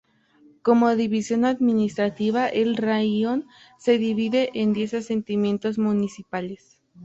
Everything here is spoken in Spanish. Como división administrativa, el raion se divide en diez asentamientos municipales.